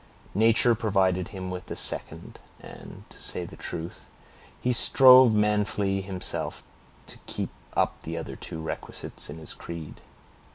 Nature provided him with the second, and, to say the truth, he strove manfully himself to keep up the other two requisites in his creed.